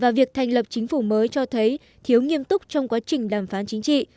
việc thành lập chính phủ mới cho thấy thiếu nghiêm túc trong quá trình đàm phán chính trị